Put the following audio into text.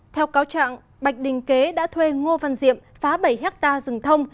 theo cáo trạng bạch đình kế đã thuê ngô văn diệm phá bảy hectare rừng thông